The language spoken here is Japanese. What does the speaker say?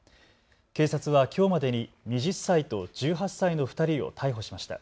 警察はきょうまでに２０歳と１８歳の２人を逮捕しました。